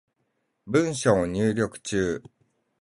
文章入力中